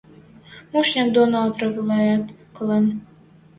Мушняк доно отравляйӓлт колен!..